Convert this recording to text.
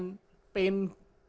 kita pulih itu bukan